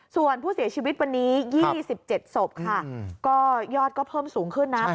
ส่วนผู้เสียชีวิตวันนี้๒๗ศพค่ะก็ยอดก็เพิ่มสูงขึ้นนะ